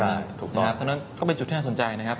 เพราะฉะนั้นก็เป็นจุดที่น่าสนใจนะครับ